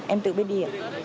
em tự biết đi ạ